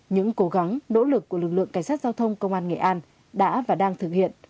những cố gắng nỗ lực của lực lượng cảnh sát giao thông công an nghệ an đã và đang thực hiện